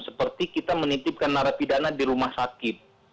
seperti kita menitipkan narapidana di rumah sakit